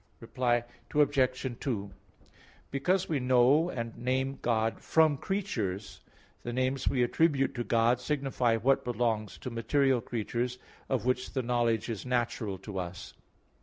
Reply Obj. 2: Because we know and name God from creatures, the names we attribute to God signify what belongs to material creatures, of which the knowledge is natural to us.